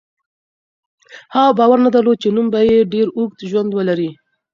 هغه باور نه درلود چې نوم به یې ډېر اوږد ژوند ولري.